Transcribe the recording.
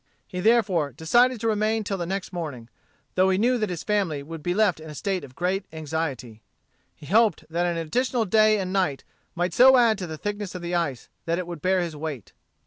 He therefore decided to remain till the next morning, though he knew that his family would be left in a state of great anxiety. He hoped that an additional day and night might so add to the thickness of the ice that it would bear his weight.